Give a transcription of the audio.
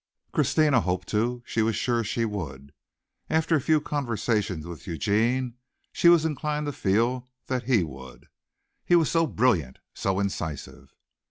Christina hoped to. She was sure she would. After a few conversations with Eugene she was inclined to feel that he would. He was so brilliant, so incisive.